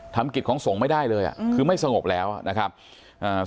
ทำกฤทธิ์ของทรงไม่ได้เลยอะคือไม่สงบแล้วนะครับอ่า